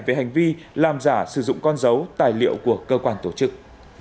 về hành vi làm giả sử dụng con dấu tài liệu của cơ quan tổ chức